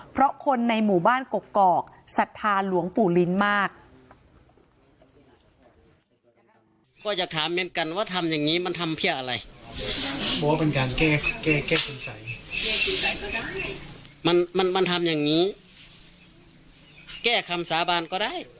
เพราะคนในหมู่บ้านกกอกศรัทธาหลวงปู่ลิ้นมาก